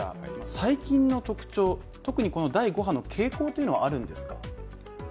最近の特徴、特に第５波の傾向というのはあるんですか？